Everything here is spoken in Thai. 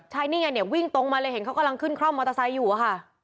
ใช่นี่ไงวิ่งตรงมาเลยเห็นเขากำลังขึ้นเข้ามอเตอร์ไซค์อยู่หรอคะ